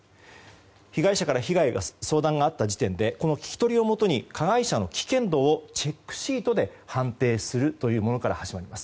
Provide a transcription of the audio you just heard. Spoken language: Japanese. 被害者から被害の相談があった時点でこの聞き取りをもとに加害者の危険度をチェックシートで判定するというものから始まります。